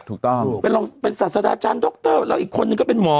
ถูกต้องเป็นรองเป็นศาสดาอาจารย์ดรแล้วอีกคนนึงก็เป็นหมอ